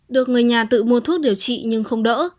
được người nhà tự mua thuốc điều trị nhưng không đỡ